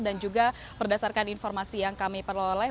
juga berdasarkan informasi yang kami peroleh